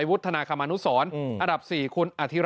อันนี้จะต้องจับเบอร์เพื่อที่จะแข่งกันแล้วคุณละครับ